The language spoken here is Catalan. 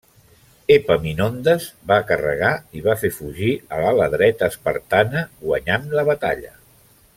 Epaminondes va carregar i va fer fugir a l'ala dreta espartana, guanyant la batalla.